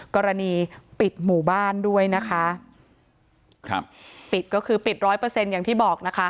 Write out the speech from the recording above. กรณีปิดหมู่บ้านด้วยนะคะครับปิดก็คือปิดร้อยเปอร์เซ็นต์อย่างที่บอกนะคะ